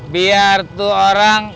biar tuh orang